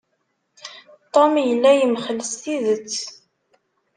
Tom yella yemxell s tidet.